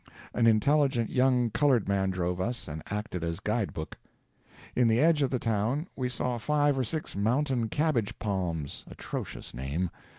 An intelligent young colored man drove us, and acted as guide book. In the edge of the town we saw five or six mountain cabbage palms (atrocious name!)